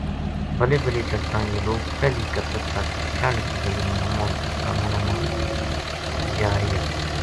بلے بلے چلتاں یہ لوک پہلی کتک تک چنڈ کی گلی کا مُنڈھ ما جا رہیا